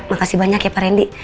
makasih banyak ya pak randy